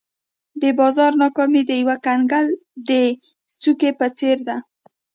د بازار ناکامي د یو کنګل د څوکې په څېر ده.